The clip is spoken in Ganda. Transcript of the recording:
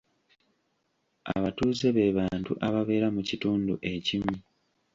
Abatuuze be bantu ababeera mu kitundu ekimu.